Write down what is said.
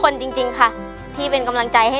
หนูรู้สึกดีมากเลยค่ะ